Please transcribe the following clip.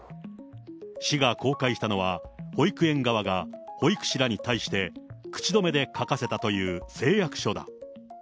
市が公開したのは、保育園側が保育士らに対して口止めで書かせたという誓約書だ。